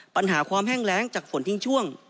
ปัญหาความแห้งแรงจากฝนทิ้งช่วง